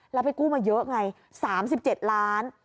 แล้วไปกู้มาเยอะไง๓๗ล้าน